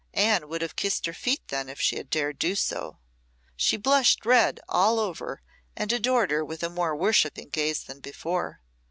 Anne would have kissed her feet then, if she had dared to do so. She blushed red all over, and adored her with a more worshipping gaze than before.